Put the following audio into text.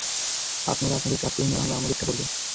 আপনারা আপনাদের কাজ করুন, আর আমাদেরটা আমরা করবো।